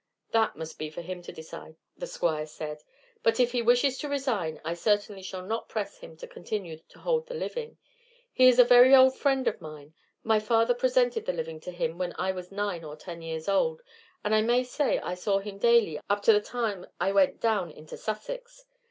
"That must be for him to decide," the Squire said; "but if he wishes to resign I certainly shall not press him to continue to hold the living. He is a very old friend of mine. My father presented the living to him when I was nine or ten years old, and I may say I saw him daily up to the time when I went down into Sussex.